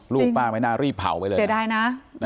ลูกป้าไม่น่ารีบเผาไปเลยเสียดายนะ